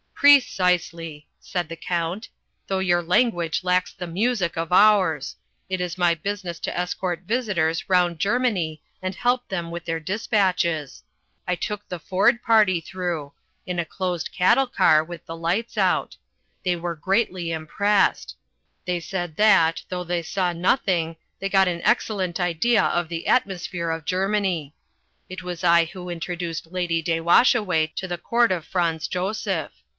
"Precisely," said the Count, "though your language lacks the music of ours. It is my business to escort visitors round Germany and help them with their despatches. I took the Ford party through in a closed cattle car, with the lights out. They were greatly impressed. They said that, though they saw nothing, they got an excellent idea of the atmosphere of Germany. It was I who introduced Lady de Washaway to the Court of Franz Joseph.